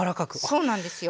そうなんですよ。